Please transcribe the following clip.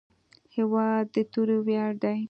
هېواد د توري ویاړ دی.